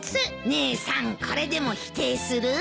姉さんこれでも否定する？